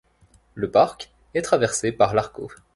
Le parc est traversé par l'Argos.